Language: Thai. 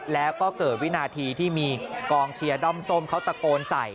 แล้วก็เกิดวินาทีที่มีกองเชียร์ด้อมส้มเขาตะโกนใส่